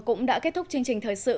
cũng đã kết thúc chương trình thời sự